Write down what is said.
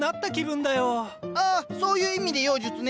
ああそういう意味で妖術ね。